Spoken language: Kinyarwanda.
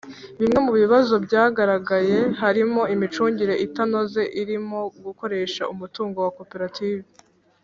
bimwe mu bibazo byagaragaye, harimo imicungire itanoze irimo gukoresha umutungo wa koperative